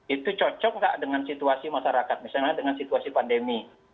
itu cocok nggak dengan situasi masyarakat misalnya dengan situasi pandemi